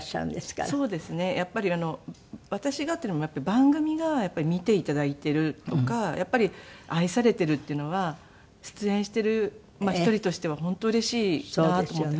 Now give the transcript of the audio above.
やっぱり私がっていうよりも番組がやっぱり見て頂いているとかやっぱり愛されているっていうのは出演している一人としては本当うれしいなと思って。